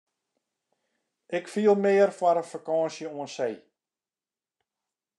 Ik fiel mear foar in fakânsje oan see.